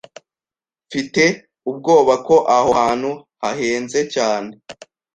Mfite ubwoba ko aho hantu hahenze cyane.